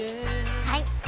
はい！